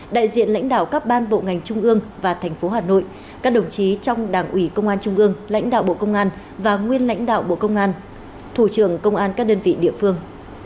đại diện lãnh đạo các ban bộ ngành trung ương và thành phố hà nội các đồng chí trong đảng ủy công an trung ương lãnh đạo bộ công an và nguyên lãnh đạo bộ công an thủ trưởng công an các đơn vị địa phương